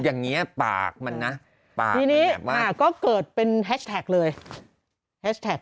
อย่างเงี้ปากมันนะปากทีนี้อ่าก็เกิดเป็นแฮชแท็กเลยแฮชแท็ก